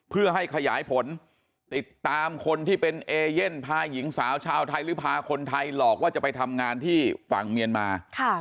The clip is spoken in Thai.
เพื่อให้ขยายผลติดตามคนที่เป็นเอเย่นพาหญิงสาวชาวไทยหรือพาคนไทยหลอกว่าจะไปทำงานที่ฝั่งเมียนมา